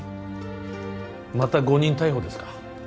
また誤認逮捕ですか？